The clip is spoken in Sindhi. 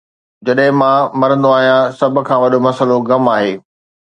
جڏهن مان مرندو آهيان، سڀ کان وڏو مسئلو غم آهي